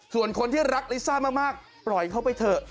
ส่วนคนที่รักลิซ่ามากปล่อยเข้าไปเถอะ